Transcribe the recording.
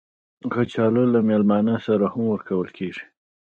کچالو له میلمانه سره هم ورکول کېږي